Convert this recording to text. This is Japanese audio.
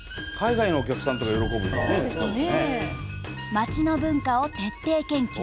街の文化を徹底研究。